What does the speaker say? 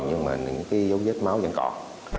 nhưng mà những dấu vết máu vẫn còn